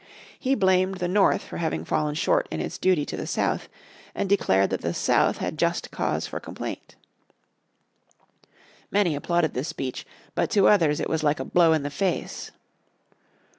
He blamed the North for having fallen short in its duty to the South, and declared that the South had just cause for complaint. Many applauded this speech, but to others it was like a blow in the face.